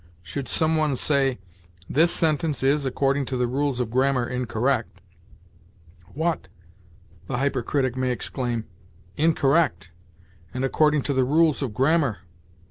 Should some one say, 'This sentence is, according to the rules of grammar, incorrect.' 'What!' the hypercritic may exclaim, 'incorrect! and according to the rules of grammar!'